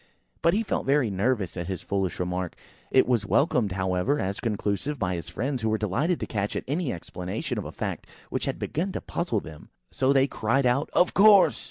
But he felt very nervous at his foolish remark. It was welcomed, however, as conclusive by his friends, who were delighted to catch at any explanation of a fact which had begun to puzzle them. So they cried out, "Of course!"